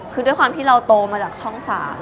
คือด้วยความที่เราโตมาจากช่อง๓